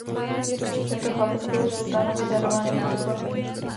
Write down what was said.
Tento chlapec byl sultánovi darován jako překvapení.